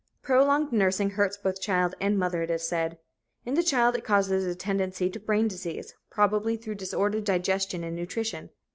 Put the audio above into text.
Prolonged nursing hurts both child and mother, it is said. In the child it causes a tendency to brain disease, probably through disordered digestion and nutrition.